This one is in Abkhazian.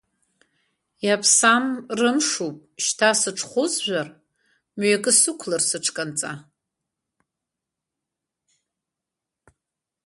Иаԥсам, рымшуп, шьҭа сыҽхәызжәар, мҩакы сықәлар сыҽканҵа.